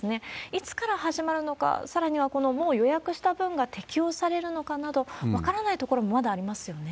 いつから始まるのか、さらには、もう予約した分が適用されるのかなど、分からないところもまだありますよね。